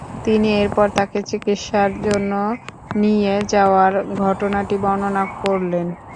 তিনি এরপর তাকে চিকিৎসার জন্য নিয়ে যাওয়ার ঘটনাটি বর্ণনা করলেন।